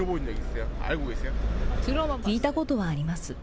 聞いたことはあります。